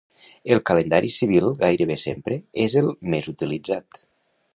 El calendari civil gairebé sempre és el més utilitzat.